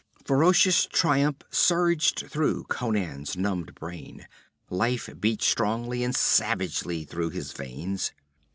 Ferocious triumph surged through Conan's numbed brain. Life beat strongly and savagely through his veins.